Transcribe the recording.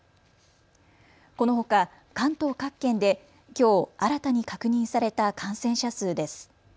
このほか関東各県できょう新たに確認された感染者数です。